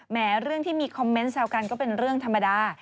เรื่องที่มีคอมเมนต์แซวกันก็เป็นเรื่องธรรมดา